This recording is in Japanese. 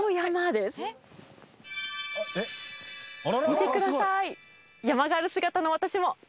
見てください。